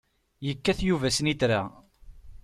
Yekkat Yuba snitra.